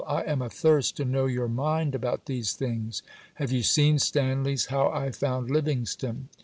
I am athirst to know your mind about these things.... Have you seen Stanley's How I found Livingstone?